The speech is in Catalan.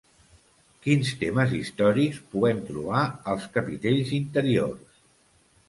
Quins temes històrics poem trobar als capitells interiors?